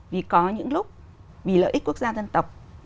vì có những lúc vì lợi ích quốc gia dân tộc